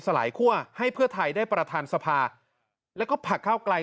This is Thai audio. ลายคั่วให้เพื่อไทยได้ประธานสภาแล้วก็พักเก้าไกล